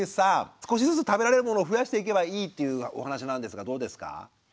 少しずつ食べられるものを増やしていけばいいっていうお話なんですがどうですか？